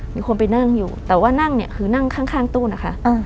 มีคนไปนั่งอยู่แต่ว่านั่งเนี่ยคือนั่งข้างตู้นะคะ